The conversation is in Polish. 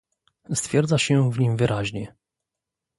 Stwierdza się w nim wyraźnie